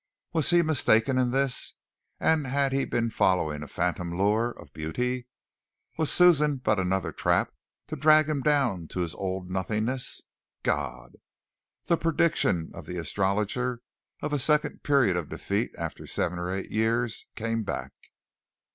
Was he mistaken in this, and had he been following a phantom lure of beauty? Was Suzanne but another trap to drag him down to his old nothingness? God! The prediction of the Astrologer of a second period of defeat after seven or eight years came back.